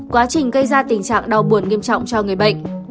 quá trình gây ra tình trạng đau buồn nghiêm trọng cho người bệnh